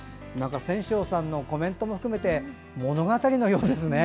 仙翔さんのコメントも含めて物語のようですね。